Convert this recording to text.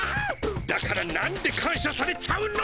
だからなんで感しゃされちゃうの！